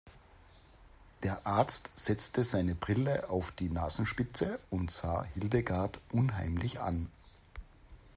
Der Arzt setzte seine Brille auf die Nasenspitze und sah Hildegard unheimlich an.